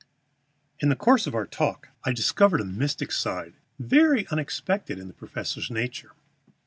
In the course of our talks I discovered a mystic side, very unexpected, in the professor's nature.